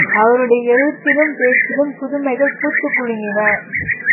அவருடைய எழுத்திலும், பேச்சிலும், புதுமைகள் பூத்துக் குலுங்கின.